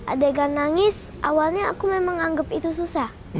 adegan nangis awalnya aku memang anggap itu susah